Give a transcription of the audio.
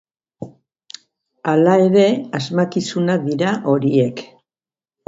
Hala ere, asmakizunak dira horiek.